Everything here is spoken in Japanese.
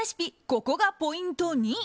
ここがポイント２。